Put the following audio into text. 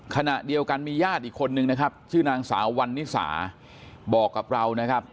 ขณะเดียวกันมีญาติอีกคนนึงนะครับชื่อนางสาววันนิสาบอกกับเรานะครับ